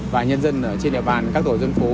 và nhân dân trên địa bàn các tổ dân phố